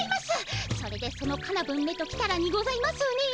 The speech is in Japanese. それでそのカナブンめときたらにございますね。